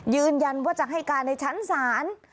ยืนยันว่าจะให้การในชั้นศาล